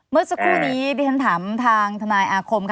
เมื่อสักครู่นี้ได้ถามทางทนายอาคม